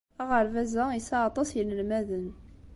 Aɣerbaz-a yesɛa aṭas n yinelmaden.